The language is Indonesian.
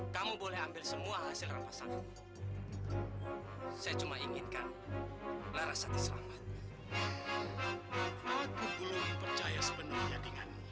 kamu boleh ambil semua hasil rampasan saya cuma inginkan larasati selamat